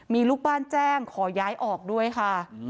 มีลูกบ้านแจ้งขอย้ายออกด้วยค่ะ